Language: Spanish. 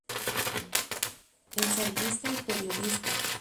Ensayista y periodista.